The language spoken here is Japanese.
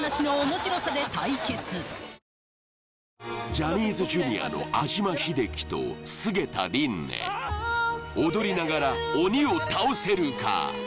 ジャニーズＪｒ．の安嶋秀生と菅田琳寧踊りながら鬼を倒せるか？